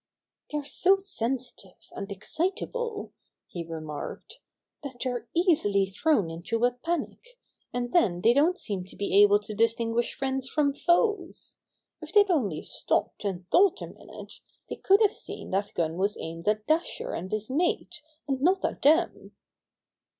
"They're so sensitive and excitable," he re marked, "that they're easily thrown into a panic, and then they don't seem to be able to distinguish friends from foes. If they'd only stopped and thought a minute, they could have seen that gun was aimed at Dasher and his mate and not at them.